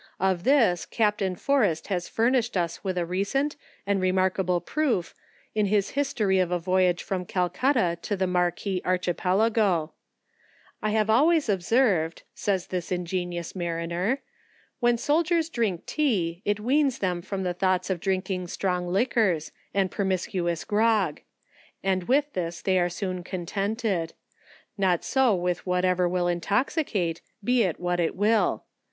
Of* this, Captain Forest has furnished us with a recent and remarkable proof in his history of a voyage from Calcut ta, to the Marqui Archipelago : "I have always observed (says this ingenious mariner) when sailors drink tea, it weans them from the thoughts of drinking strong liquors and pernicious grog; and with this they arc soon con tented. Not so with whatever will intoxicate, be it what it will.